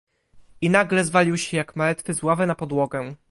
"I nagle zwalił się jak martwy z ławy na podłogę."